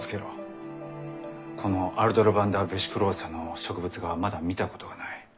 このアルドロヴァンダ・ヴェシクローサの植物画はまだ見たことがない。